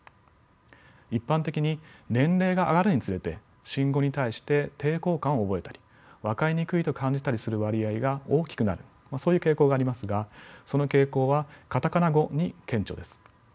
一般的に年齢が上がるにつれて新語に対して抵抗感を覚えたり分かりにくいと感じたりする割合が大きくなるそういう傾向がありますがその傾向はカタカナ語に顕著です。